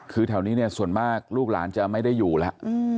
คือแถวนี้เนี่ยส่วนมากลูกหลานจะไม่ได้อยู่แล้ว